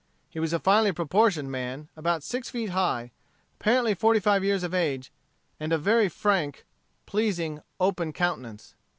He was a finely proportioned man, about six feet high, apparently forty five years of age, and of very frank, pleasing, open countenance.